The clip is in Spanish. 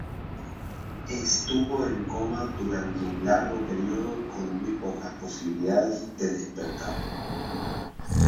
Estuvo en coma durante un largo periodo con muy pocas posibilidades de despertar.